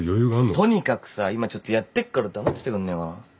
とにかくさ今ちょっとやってっから黙っててくんねえかな。